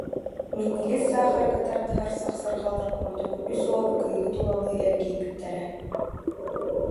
Минньигэс саахарга тардыһар сахсырҕалар курдук үс уол кыыһы тулалыы эргийбиттэрэ